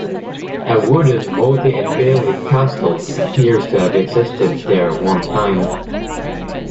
A wooden motte-and-bailey castle appears to have existed there at one time.